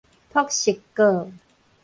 璞石閣